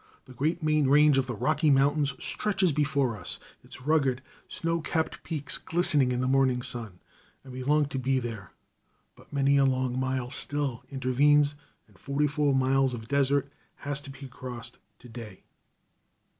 The great main range of the Rocky Mountains stretches before us, its rugged, snow capped peaks glistening in the morning sun, and we long to be there, but many a long mile still intervenes, and forty four miles of desert has to be crossed to day.